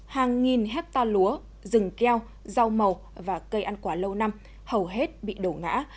hàng nghìn hectare lúa rừng keo rau màu và cây ăn quả lâu năm hầu hết bị đổ ngã